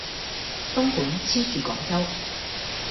东莞黐住广州